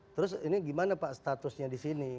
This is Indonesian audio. terus ini gimana pak statusnya disini